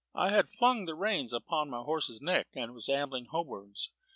I had flung the reins upon my horse's neck, and was ambling homewards.